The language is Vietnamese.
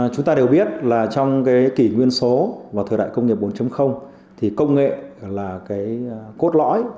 chúng ta đều biết là trong cái kỷ nguyên số và thời đại công nghiệp bốn thì công nghệ là cái cốt lõi